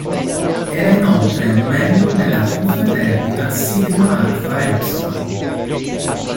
Era inoltre un membro della confraternita Sigma Alpha Epsilon.